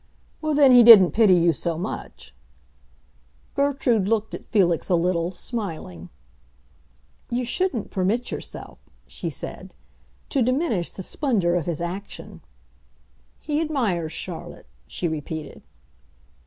"Well, then, he didn't pity you so much." Gertrude looked at Felix a little, smiling. "You shouldn't permit yourself," she said, "to diminish the splendor of his action. He admires Charlotte," she repeated.